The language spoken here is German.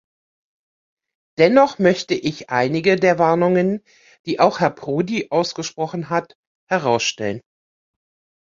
Dennoch möchte ich einige der Warnungen, die auch Herr Prodi ausgesprochen hat, herausstellen.